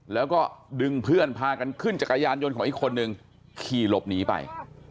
แล้วก็ดึงเพื่อนพากันขึ้นจักรยานยนต์ของอีกคนนึงขี่หลบหนีไป